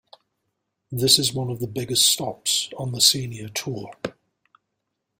This is one of the biggest stops on the Senior Tour.